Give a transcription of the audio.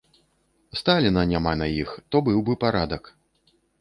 Сталіна няма на іх, то быў бы парадак.